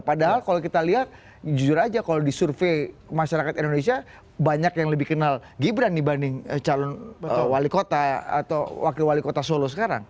padahal kalau kita lihat jujur aja kalau di survei masyarakat indonesia banyak yang lebih kenal gibran dibanding calon wali kota atau wakil wali kota solo sekarang